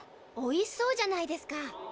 おいしそうじゃないですか。